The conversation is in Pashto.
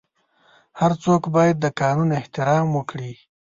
هر څوک باید د قانون احترام وکړي.